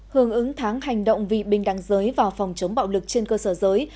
hưởng ứng tháng hành động vị binh đăng giới vào phòng chống bạo lực trên cơ sở giới